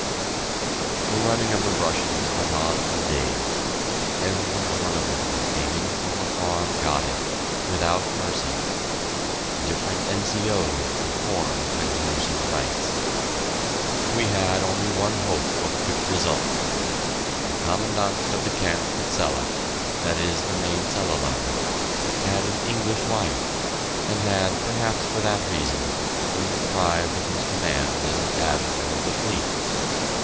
The running of the Russians went on for days. Every one of them who came in from the farm got it without mercy.... Different N.C.O.'s performed the gruesome rites... We had only one hope of quick results. The Commandant of the camp at Celle that is the main Cellelager had an English wife, and had, perhaps for that reason, been deprived of his command as an Admiral of the fleet.